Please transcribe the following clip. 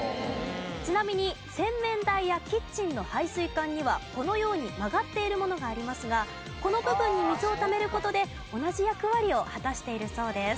ちなみに洗面台やキッチンの排水管にはこのように曲がっているものがありますがこの部分に水をためる事で同じ役割を果たしているそうです。